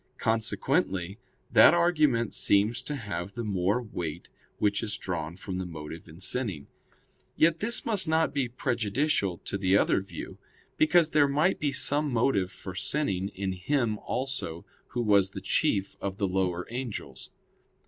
Consequently that argument seems to have the more weight which is drawn from the motive in sinning. Yet this must not be prejudicial to the other view; because there might be some motive for sinning in him also who was the chief of the lower angels.